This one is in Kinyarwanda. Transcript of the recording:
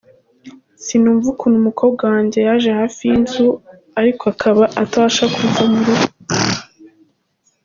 "Sinumva ukuntu umukobwa wanjye yaje hafi y'inzu ariko akaba atabasha kuza mu rugo.